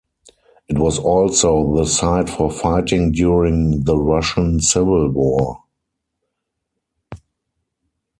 It was also the site for fighting during the Russian Civil War.